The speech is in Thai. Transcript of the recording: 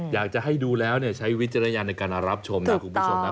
อยากจะให้ดูแล้วใช้วิจารณญาณในการรับชมนะคุณผู้ชมนะ